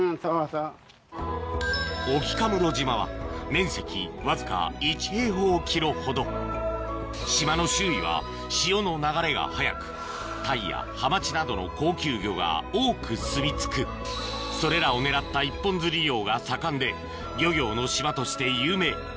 面積わずか１ｋｍほど島の周囲は潮の流れが速くタイやハマチなどの高級魚が多くすみ着くそれらを狙った一本釣り漁が盛んで漁業の島として有名